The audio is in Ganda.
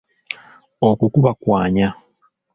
Okwo kuba kwanya.